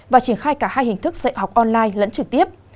và triển khai cả hai hình thức dạy học online lẫn trực tiếp